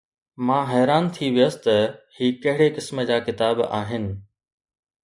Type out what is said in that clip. مان حيران ٿي ويس ته هي ڪهڙي قسم جا ڪتاب آهن.